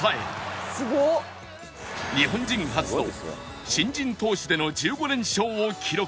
日本人初の新人投手での１５連勝を記録